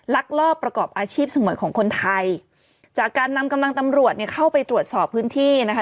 ลักลอบประกอบอาชีพสงวนของคนไทยจากการนำกำลังตำรวจเนี่ยเข้าไปตรวจสอบพื้นที่นะคะ